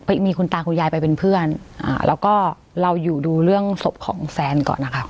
มีคุณตาคุณยายไปเป็นเพื่อนอ่าแล้วก็เราอยู่ดูเรื่องศพของแฟนก่อนนะคะ